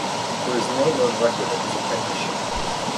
There is no known record of his apprenticeship.